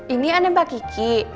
ini ada mbak kiki